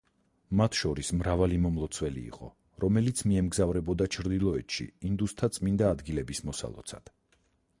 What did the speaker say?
მათ შორის მრავალი მომლოცველი იყო, რომელიც მიემგზავრებოდა ჩრდილოეთში ინდუსთა წმინდა ადგილების მოსალოცად.